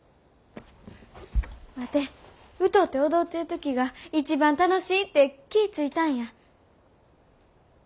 ワテ歌うて踊ってる時が一番楽しいって気ぃ付いたんや。